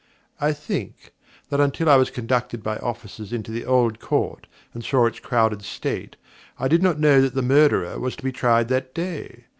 I think that until I was conducted by officers into the Old Court and saw its crowded state, I did not know that the Murderer was to be tried that day.